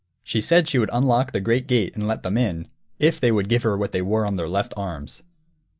She said she would unlock the great gate and let them in, _if they would give her what they wore on their left arms.